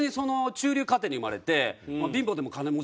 「中流家庭に生まれて」って。